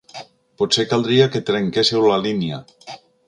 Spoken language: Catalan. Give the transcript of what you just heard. Potser caldria que trenquésseu la línia.